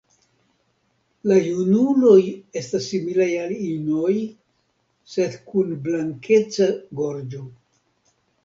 La junuloj estas similaj al inoj, sed kun blankeca gorĝo.